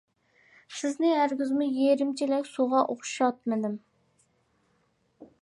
سىزنى ھەرگىزمۇ «يېرىم چېلەك سۇغا» ئوخشاتمىدىم.